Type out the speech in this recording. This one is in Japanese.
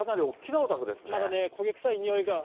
まだね、焦げ臭いにおいが。